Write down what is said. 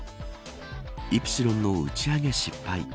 イプシロンの打ち上げ失敗。